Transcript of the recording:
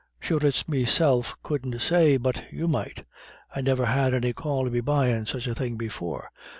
"Sure it's meself couldn't say but you might; I niver had any call to be buyin' such a thing before.